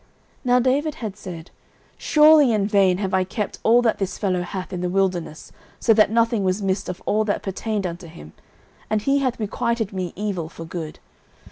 09:025:021 Now David had said, Surely in vain have I kept all that this fellow hath in the wilderness, so that nothing was missed of all that pertained unto him: and he hath requited me evil for good.